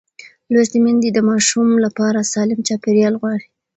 لوستې میندې د ماشوم لپاره سالم چاپېریال غواړي.